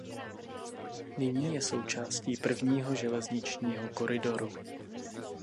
Nyní je součástí Prvního železničního koridoru.